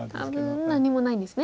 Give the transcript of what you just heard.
多分何もないんですね。